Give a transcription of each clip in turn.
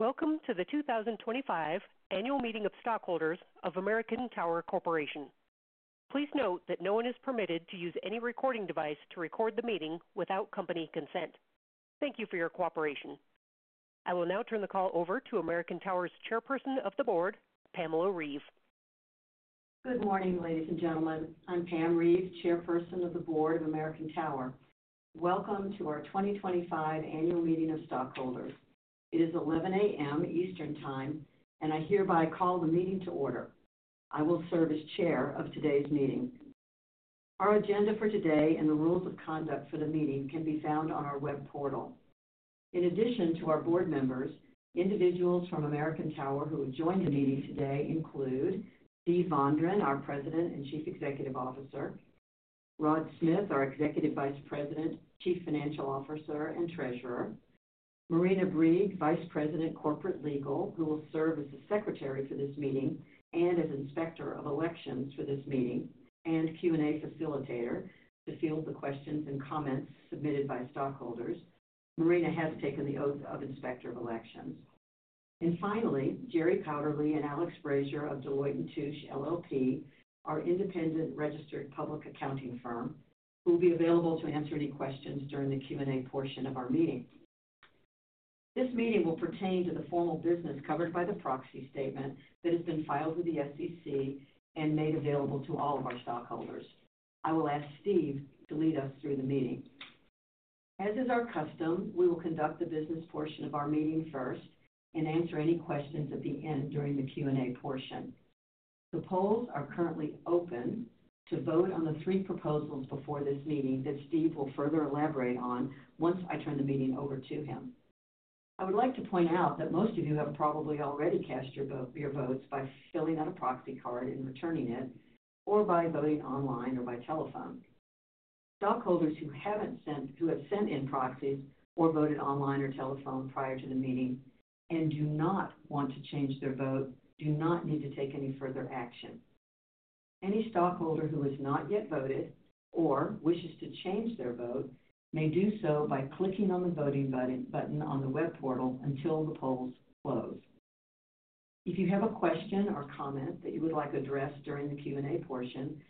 Welcome to the 2025 annual meeting of stockholders of American Tower Corporation. Please note that no one is permitted to use any recording device to record the meeting without company consent. Thank you for your cooperation. I will now turn the call over to American Tower's Chairperson of the Board, Pam Reeve. Good morning, ladies and gentlemen. I'm Pam Reeve, Chairperson of the Board of American Tower. Welcome to our 2025 annual meeting of stockholders. It is 11:00 A.M. Eastern Time, and I hereby call the meeting to order. I will serve as Chair of today's meeting. Our agenda for today and the rules of conduct for the meeting can be found on our web portal. In addition to our board members, individuals from American Tower who have joined the meeting today include: Steve Vondran, our President and Chief Executive Officer; Rod Smith, our Executive Vice President, Chief Financial Officer, and Treasurer; Marina Briggs, Vice President, Corporate Legal, who will serve as the Secretary for this meeting and as Inspector of Elections for this meeting; and Q&A Facilitator to field the questions and comments submitted by stockholders. Marina has taken the oath of Inspector of Elections. Finally, Jerry Powderly and Alex Frazier of Deloitte & Touche, LLP, our independent registered public accounting firm, who will be available to answer any questions during the Q&A portion of our meeting. This meeting will pertain to the formal business covered by the proxy statement that has been filed with the SEC and made available to all of our stockholders. I will ask Steve to lead us through the meeting. As is our custom, we will conduct the business portion of our meeting first and answer any questions at the end during the Q&A portion. The polls are currently open to vote on the three proposals before this meeting that Steve will further elaborate on once I turn the meeting over to him. I would like to point out that most of you have probably already cast your votes by filling out a proxy card and returning it, or by voting online or by telephone. Stockholders who have sent in proxies or voted online or telephone prior to the meeting and do not want to change their vote do not need to take any further action. Any stockholder who has not yet voted or wishes to change their vote may do so by clicking on the voting button on the web portal until the polls close. If you have a question or comment that you would like addressed during the Q&A portion,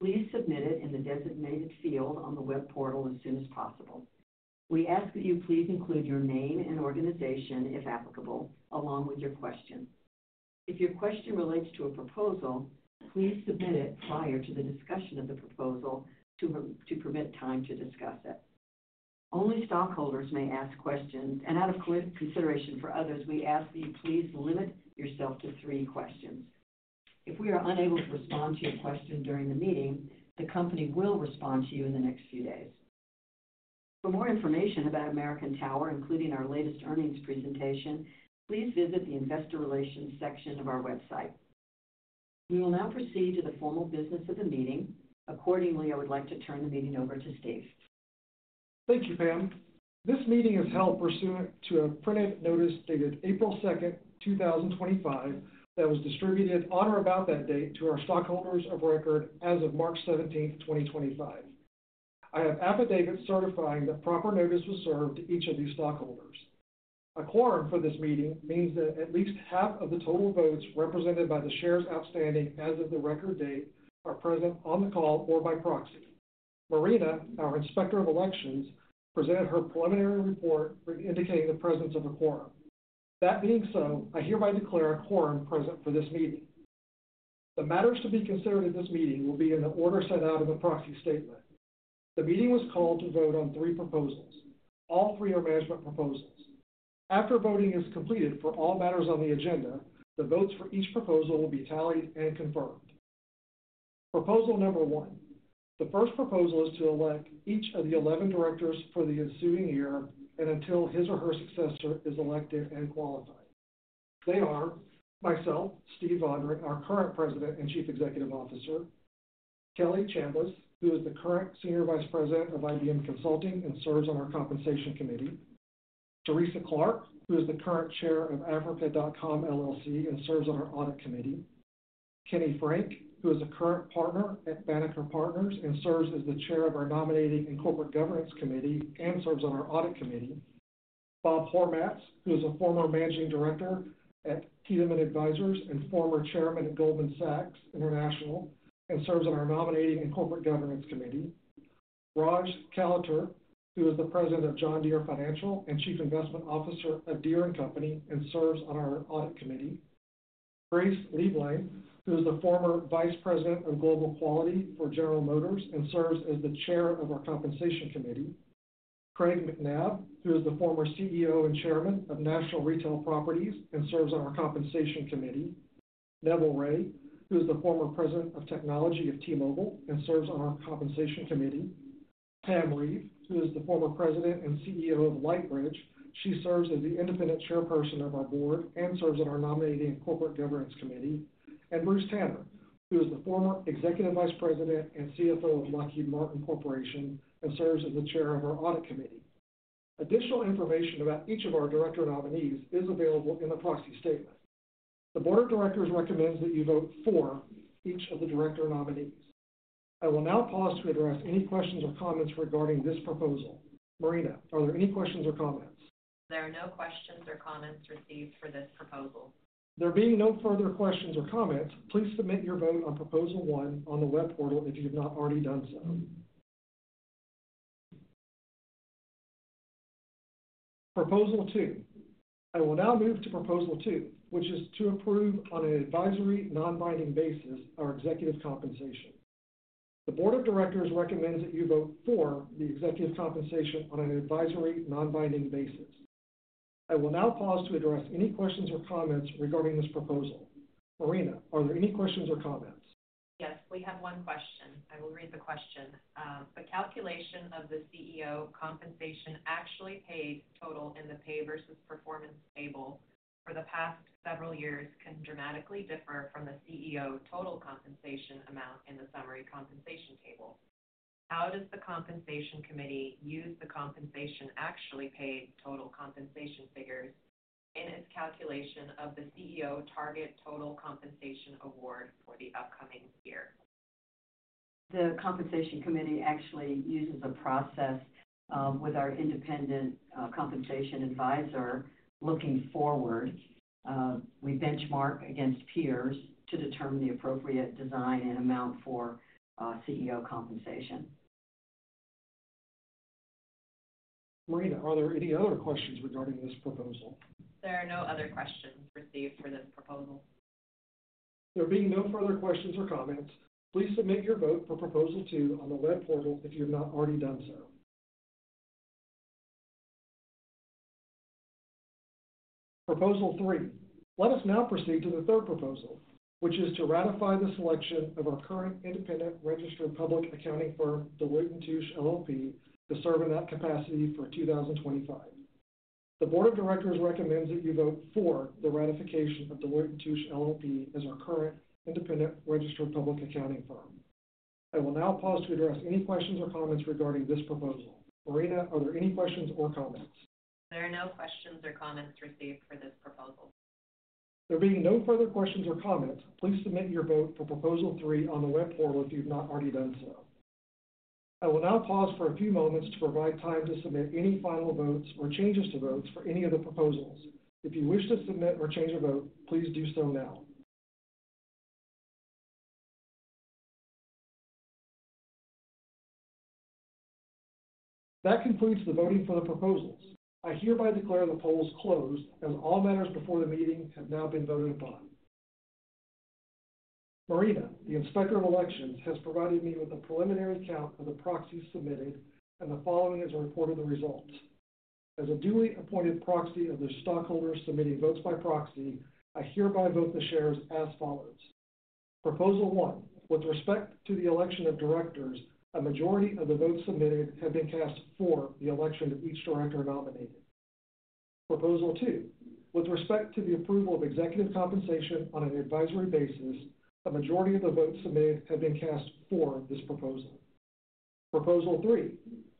please submit it in the designated field on the web portal as soon as possible. We ask that you please include your name and organization, if applicable, along with your question. If your question relates to a proposal, please submit it prior to the discussion of the proposal to permit time to discuss it. Only stockholders may ask questions, and out of consideration for others, we ask that you please limit yourself to three questions. If we are unable to respond to your question during the meeting, the company will respond to you in the next few days. For more information about American Tower, including our latest earnings presentation, please visit the Investor Relations section of our website. We will now proceed to the formal business of the meeting. Accordingly, I would like to turn the meeting over to Steve. Thank you, Pam. This meeting is held pursuant to a printed notice dated April 2, 2025, that was distributed on or about that date to our stockholders of record as of March 17th, 2025. I have affidavits certifying that proper notice was served to each of these stockholders. A quorum for this meeting means that at least half of the total votes represented by the shares outstanding as of the record date are present on the call or by proxy. Marina, our Inspector of Elections, presented her preliminary report indicating the presence of a quorum. That being so, I hereby declare a quorum present for this meeting. The matters to be considered at this meeting will be in the order set out in the proxy statement. The meeting was called to vote on three proposals. All three are management proposals. After voting is completed for all matters on the agenda, the votes for each proposal will be tallied and confirmed. Proposal number one. The first proposal is to elect each of the 11 directors for the ensuing year and until his or her successor is elected and qualified. They are: myself, Steve Vondran, our current President and Chief Executive Officer; Kelly Chambliss, who is the current Senior Vice President of IBM Consulting and serves on our Compensation Committee; Theresa Clark, who is the current Chair of Africa.com and serves on our Audit Committee; Kenny Frank, who is a current partner at Banneker Partners and serves as the Chair of our Nominating and Corporate Governance Committee and serves on our Audit Committee; Bob Hormats, who is a former Managing Director at Kissinger Associates and former Chairman at Goldman Sachs International and serves on our Nominating and Corporate Governance Committee; Raj Kalra, who is the President of John Deere Financial and Chief Investment Officer of Deere & Company and serves on our Audit Committee; Grace Lieblein, who is the former Vice President of Global Quality for General Motors and serves as the Chair of our Compensation Committee; Craig McNabb, who is the former CEO and Chairman of National Retail Properties and serves on our Compensation Committee; Neville Ray, who is the former President of Technology of T-Mobile and serves on our Compensation Committee; Pam Reeve, who is the former President and CEO of Lightbridge. She serves as the independent Chairperson of our Board and serves on our Nominating and Corporate Governance Committee, and Bruce Tanner, who is the former Executive Vice President and CFO of Lockheed Martin Corporation and serves as the Chair of our Audit Committee. Additional information about each of our Director Nominees is available in the proxy statement. The Board of Directors recommends that you vote for each of the Director Nominees. I will now pause to address any questions or comments regarding this proposal. Marina, are there any questions or comments? There are no questions or comments received for this proposal. There being no further questions or comments, please submit your vote on Proposal One on the web portal if you have not already done so. Proposal Two. I will now move to Proposal Two, which is to approve on an advisory non-binding basis our executive compensation. The Board of Directors recommends that you vote for the executive compensation on an advisory non-binding basis. I will now pause to address any questions or comments regarding this proposal. Marina, are there any questions or comments? Yes, we have one question. I will read the question. The calculation of the CEO compensation actually paid total in the pay versus performance table for the past several years can dramatically differ from the CEO total compensation amount in the summary compensation table. How does the Compensation Committee use the compensation actually paid total compensation figures in its calculation of the CEO target total compensation award for the upcoming year? The Compensation Committee actually uses a process with our independent compensation advisor looking forward. We benchmark against peers to determine the appropriate design and amount for CEO compensation. Marina, are there any other questions regarding this proposal? There are no other questions received for this proposal. There being no further questions or comments, please submit your vote for Proposal Two on the web portal if you have not already done so. Proposal Three. Let us now proceed to the third proposal, which is to ratify the selection of our current independent registered public accounting firm, Deloitte & Touche, LLP, to serve in that capacity for 2025. The Board of Directors recommends that you vote for the ratification of Deloitte & Touche, LLP, as our current independent registered public accounting firm. I will now pause to address any questions or comments regarding this proposal. Marina, are there any questions or comments? There are no questions or comments received for this proposal. There being no further questions or comments, please submit your vote for Proposal Three on the web portal if you have not already done so. I will now pause for a few moments to provide time to submit any final votes or changes to votes for any of the proposals. If you wish to submit or change a vote, please do so now. That concludes the voting for the proposals. I hereby declare the polls closed as all matters before the meeting have now been voted upon. Marina, the Inspector of Elections, has provided me with a preliminary count of the proxies submitted, and the following is a report of the results. As a duly appointed proxy of the stockholders submitting votes by proxy, I hereby vote the shares as follows. Proposal One. With respect to the election of directors, a majority of the votes submitted have been cast for the election of each director nominated. Proposal Two. With respect to the approval of executive compensation on an advisory basis, a majority of the votes submitted have been cast for this proposal. Proposal Three.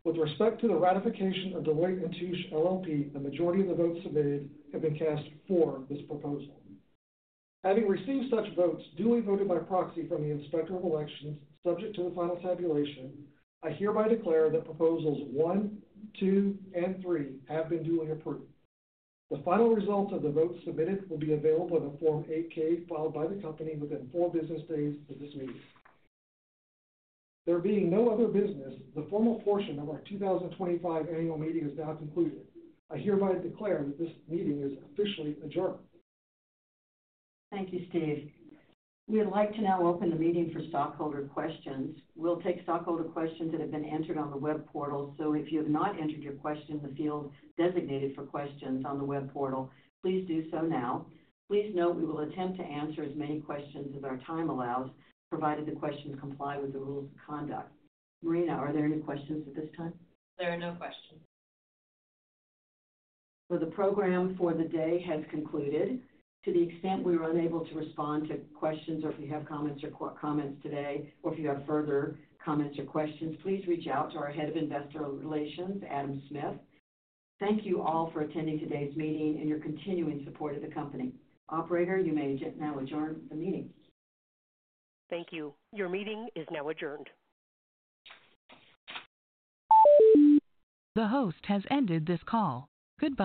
With respect to the ratification of Deloitte & Touche, LLP, a majority of the votes submitted have been cast for this proposal. Having received such votes duly voted by proxy from the Inspector of Elections, subject to the final tabulation, I hereby declare that Proposals One, Two, and Three have been duly approved. The final results of the votes submitted will be available in the Form 8-K filed by the company within four business days of this meeting. There being no other business, the formal portion of our 2025 Annual Meeting is now concluded. I hereby declare that this meeting is officially adjourned. Thank you, Steve. We would like to now open the meeting for stockholder questions. We'll take stockholder questions that have been entered on the web portal. If you have not entered your question in the field designated for questions on the web portal, please do so now. Please note we will attempt to answer as many questions as our time allows, provided the questions comply with the rules of conduct. Marina, are there any questions at this time? There are no questions. The program for the day has concluded. To the extent we were unable to respond to questions or if you have comments or comments today, or if you have further comments or questions, please reach out to our Head of Investor Relations, Adam Smith. Thank you all for attending today's meeting and your continuing support of the company. Operator, you may now adjourn the meeting. Thank you. Your meeting is now adjourned. The host has ended this call. Good bye.